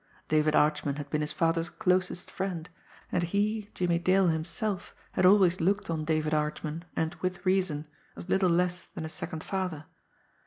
David Archman had been his father's closest friend; and he, Jimmie Dale, himself had always looked on David Archman, and with reason, as little less than a second father.